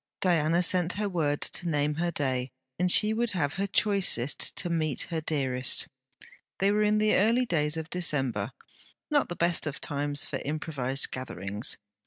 Diana sent her word to name her day, and she would have her choicest to meet her dearest. They were in the early days of December, not the best of times for improvized gatherings.